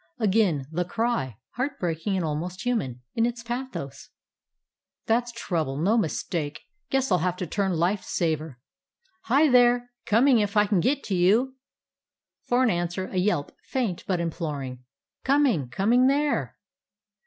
Again the cry, heart breaking and almost human in its pathos. "That 's trouble, no mistake. Guess I 'll have to turn life saver. Hi, there! Coming, if I can git to you." For an answer, a yelp, faint but imploring. "Coming, coming there!"